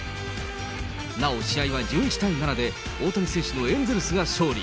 なお、試合は１１対７で、大谷選手のエンゼルスが勝利。